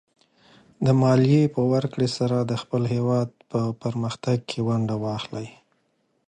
د مالیې په ورکړې سره د خپل هېواد په پرمختګ کې ونډه واخلئ.